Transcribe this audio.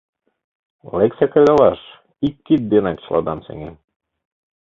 — Лекса кредалаш, ик кид денак чыладам сеҥем.